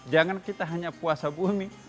jangan kita hanya puasa bumi